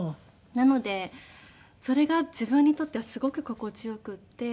なのでそれが自分にとってはすごく心地良くて。